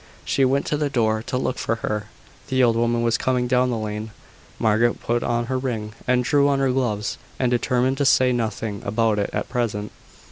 She went to the door to look for her. The old woman was coming down the lane. Margaret put on her ring, and drew on her gloves, and determined to say nothing about it at present.